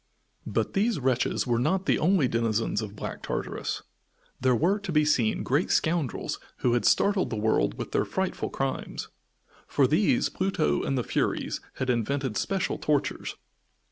But these wretches were not the only denizens of Black Tartarus. There were to be seen great scoundrels who had startled the world with their frightful crimes. For these Pluto and the Furies had invented special tortures.